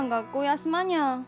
休まにゃあ。